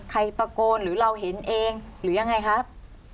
ใครตะโกนหรือเราเห็นเองหรือยังไงครับ